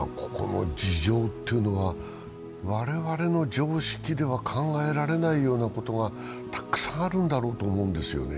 ここも事情というのが我々の常識では考えられないようなことがたくさんあるんだろうと思うんですよね。